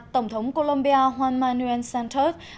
tổng thống colombia juan manuel santos